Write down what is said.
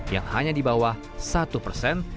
yang hanya di bawah satu persen